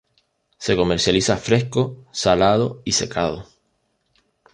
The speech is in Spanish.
Se comercializa fresco, salado y secado.